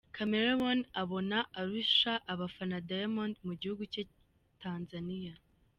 Chameleone abona arusha abafana Diamond mu gihugu cye Tanzania.